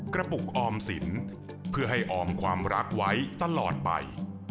กระปุกออมสินเพื่อให้ออมความรักไว้ตลอดไป